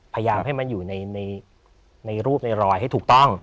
พยายามให้มันอยู่ในรูปในรอยให้ถูกต้อง